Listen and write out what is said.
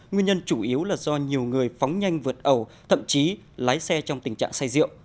nguyên nhân chủ yếu là do nhiều người phóng nhanh vượt ẩu thậm chí lái xe trong tình trạng say rượu